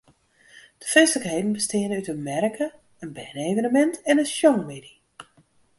De feestlikheden besteane út in merke, in berne-evenemint en in sjongmiddei.